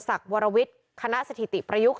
วรวิทย์คณะสถิติประยุกต์